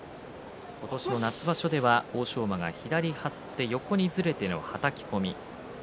今年の夏場所では欧勝馬が左を張って横にずれてのはたき込み。